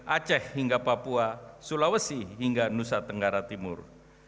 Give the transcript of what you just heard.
aceh hingga papua sulawesi hingga nusa tenggara timur